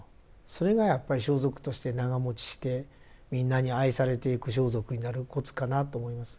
それがやっぱり装束として長もちしてみんなに愛されていく装束になるコツかなと思います。